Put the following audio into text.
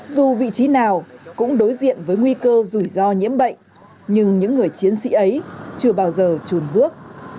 dù vị trí nào cũng đối diện với nguy cơ rủi ro nhiễm bệnh nhưng những người chiến sĩ ấy chưa bao giờ trùn bước